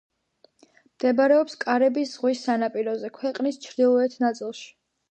მდებარეობს კარიბის ზღვის სანაპიროზე, ქვეყნის ჩრდილოეთ ნაწილში.